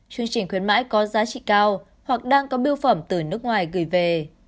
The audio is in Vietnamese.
chương trình khuyến mãi có giá trị cao hoặc đang có biêu phẩm từ nước ngoài gửi về